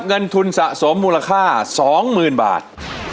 เงินทุนสะสมมูลค่า๒๐๐๐บาท